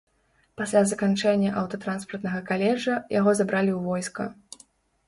Пасля заканчэння аўтатранспартнага каледжа, яго забралі ў войска.